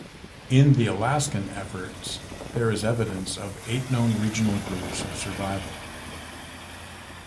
In the Alaskan efforts, there is evidence of eight known regional groups of survival.